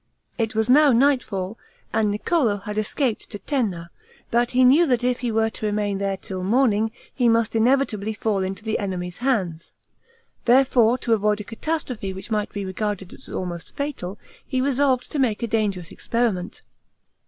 It was now nightfall, and Niccolo had escaped to Tenna, but he knew that if he were to remain there till morning, he must inevitably fall into the enemy's hands; therefore, to avoid a catastrophe which might be regarded as almost fatal, he resolved to make a dangerous experiment.